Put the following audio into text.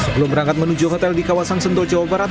sebelum berangkat menuju hotel di kawasan sentul jawa barat